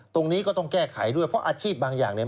ตรงนี้ก็ต้องแก้ไขด้วยเพราะอาชีพบางอย่างเนี่ย